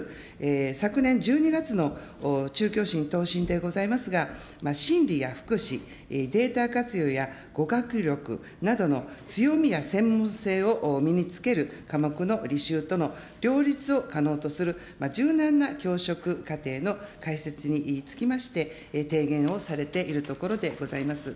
昨年１２月の中教審答申でございますが、心理や福祉、データ活用や語学力などの強みや専門性を身につける科目の履修との両立を可能とする柔軟な教職課程の開設につきまして、提言をされているところでございます。